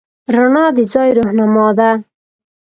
رڼا د ځای رهنما ده.